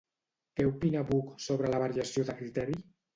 Què opina Buch sobre la variació de criteri?